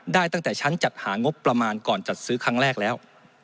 ตั้งแต่ชั้นจัดหางบประมาณก่อนจัดซื้อครั้งแรกแล้ว